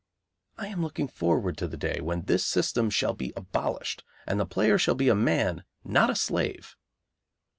I am looking forward to the day when this system shall be abolished, and the player shall be a man, not a slave.